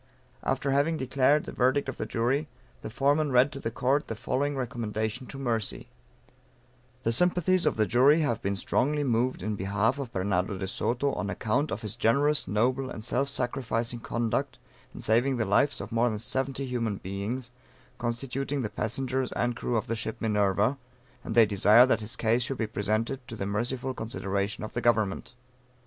After having declared the verdict of the Jury, the Foreman read to the Court the following recommendation to mercy: "The sympathies of the Jury have been strongly moved in behalf of Bernardo de Soto, on account of his generous, noble and self sacrificing conduct in saving the lives of more than 70 human beings, constituting the passengers and crew of the ship Minerva; and they desire that his case should be presented to the merciful consideration of the Government."